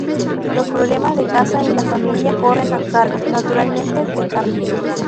Los problemas de casa y la familia corren a cargo, naturalmente, de Carmen.